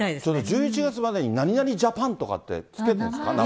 １１月までに何々ジャパンとかって付けてるんですか、名前。